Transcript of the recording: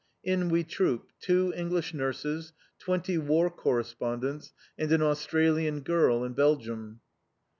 In we troop, two English nurses, twenty War Correspondents, and an "Australian Girl in Belgium."